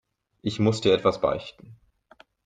Ich muss dir etwas beichten.